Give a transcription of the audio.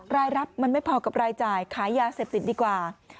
รายรับมันไม่พอกับรายจ่ายขายยาเสพติดดีกว่า